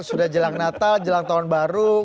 sudah jelang natal jelang tahun baru